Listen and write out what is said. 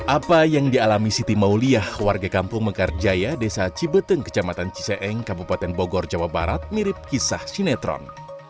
apa yang dialami siti mauliah warga kampung mekarjaya desa cibeteng kecamatan ciseeng kabupaten bogor jawa barat mirip kisah sinetron